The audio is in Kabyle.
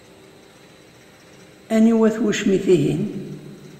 Aniwa-t wucmit-ihin?